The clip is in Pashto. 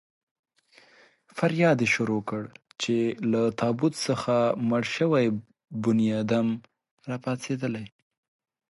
فریاد يې شروع کړ چې له تابوت څخه مړ شوی بنیادم را پاڅېدلی.